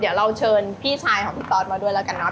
เดี๋ยวเราเชิญพี่ชายของพี่ตอสมาด้วยแล้วกันเนอ